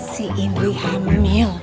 si indri hamil